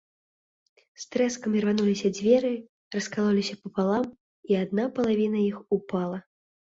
З трэскам ірвануліся дзверы, раскалоліся папалам, і адна палавіна іх упала.